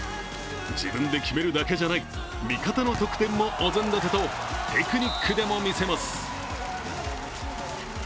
自分で決めるだけじゃない、味方の得点もお膳立てとテクニックでもみせます。